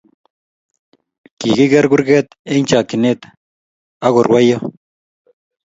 Kigigeer kurget eng chakchinet, agorwoiyoo